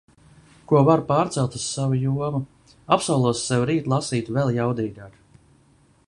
Ko varu pārcelt uz savu jomu... Apsolos sev rīt lasīt vēl jaudīgāk.